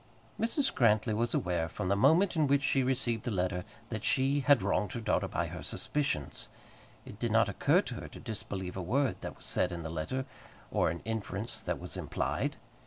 Mrs. Grantly was aware, from the moment in which she received the letter, that she had wronged her daughter by her suspicions. It did not occur to her to disbelieve a word that was said in the letter, or an inference that was implied.